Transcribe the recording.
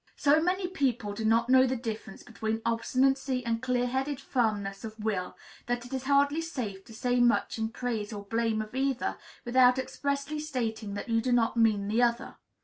So many people do not know the difference between obstinacy and clear headed firmness of will, that it is hardly safe to say much in praise or blame of either without expressly stating that you do not mean the other.